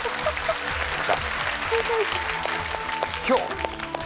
「今日」！